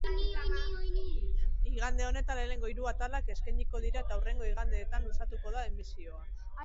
Igande honetan lehenengo hiru atalak eskainiko dira eta hurrengo igandeetan luzatuko da emisioa.